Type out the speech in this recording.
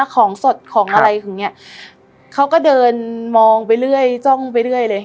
ของสดของอะไรอย่างเงี้ยเขาก็เดินมองไปเรื่อยจ้องไปเรื่อยเลย